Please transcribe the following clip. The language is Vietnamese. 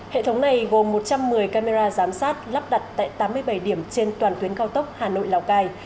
hệ thống này gồm một trăm một mươi camera giám sát lắp đặt tại tám mươi bảy điểm trên toàn tuyến cao tốc hà nội lào cai